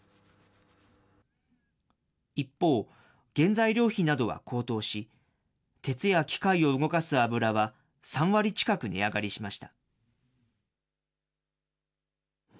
一方、原材料費などは高騰し、鉄や機械を動かす油は３割近く値上がりしました。